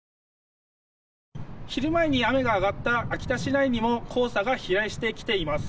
昼前に雨があがった秋田市内にも黄砂が飛来してきています。